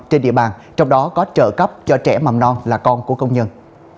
trên địa bàn trong đó có trợ cấp cho trẻ mầm non là con của công nhân